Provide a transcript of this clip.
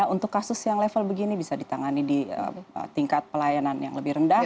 untuk kasus yang level begini bisa ditangani di tingkat pelayanan yang lebih rendah